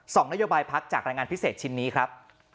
นโยบายพักจากรายงานพิเศษชิ้นนี้ครับ